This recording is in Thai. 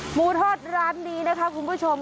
หมูทอดร้านนี้นะคะคุณผู้ชม